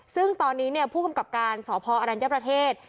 ซึ่งตอนนี้ผู้กำกับการสพอรัญญประเทศ